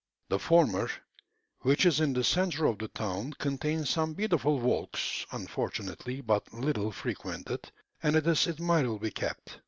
The former, which is in the centre of the town, contains some beautiful walks, unfortunately but little frequented, and it is admirably kept.